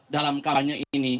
dalam kamarnya ini